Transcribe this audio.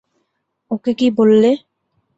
ওকে কী বললে?